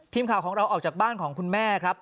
ทีมข่าวของเราออกจากบ้านของคุณแม่ครับ